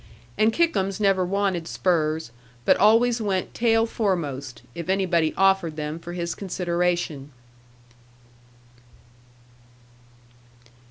And Kickums never wanted spurs; but always went tail foremost, if anybody offered them for his consideration.